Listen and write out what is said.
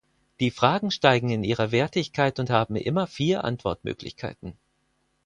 Die Fragen steigen in ihrer Wertigkeit und haben immer vier Antwortmöglichkeiten.